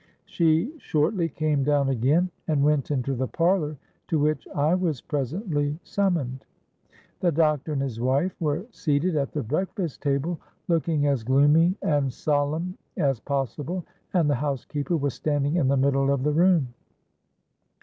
She shortly came down again, and went into the parlour, to which I was presently summoned. The doctor and his wife were seated at the breakfast table, looking as gloomy and solemn as possible, and the housekeeper was standing in the middle of the room.